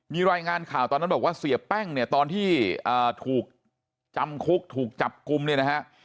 มีรายงานข่าวตอนนั้นบอกว่าเสียแป้งเนี่ยตอนที่ถูกจำคุกถูกจับกลุ่มเนี่ยนะฮะ